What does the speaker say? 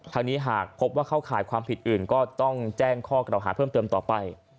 ทางนี้หากพบว่าเข้าข่ายความผิดอื่นก็ต้องแจ้งข้อกล่าวหาเพิ่มเติมต่อไป